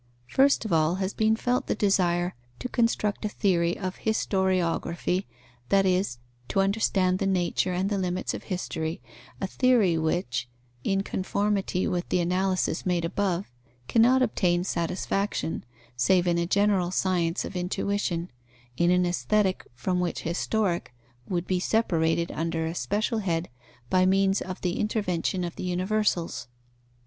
First of all has been felt the desire to construct a theory of historiography, that is, to understand the nature and the limits of history, a theory which, in conformity with the analyses made above, cannot obtain satisfaction, save in a general science of intuition, in an Aesthetic, from which Historic would be separated under a special head by means of the intervention of the universals.